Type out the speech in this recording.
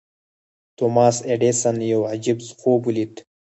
توماس ايډېسن يو عجيب خوب وليد.